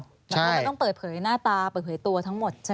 มันก็จะต้องเปิดเผยหน้าตาเปิดเผยตัวทั้งหมดใช่ไหม